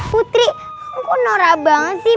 putri kok norak banget sih